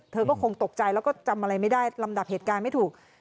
เธอก็คงตกใจแล้วก็จำอะไรไม่ได้ลำดับเหตุการณ์ไม่ถูก